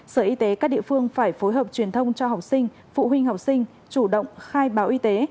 sở y tế các địa phương phải phối hợp truyền thông cho học sinh phụ huynh học sinh chủ động khai báo y tế